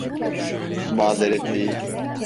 Bu mazeret değil.